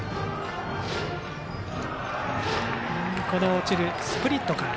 落ちるスプリットから。